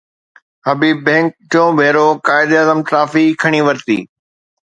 حبيب bank ٽيون ڀيرو Quaid-e-Azam trophy کٽي ورتي